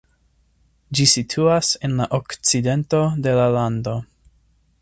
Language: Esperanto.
Ĝi situas en la okcidento de la lando.